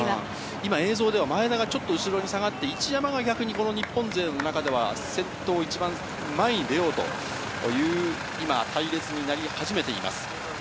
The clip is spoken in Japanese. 今、映像では前田がちょっと後ろに下がって、一山が逆にこの日本勢の中では先頭、一番前に出ようという、今、隊列になり始めています。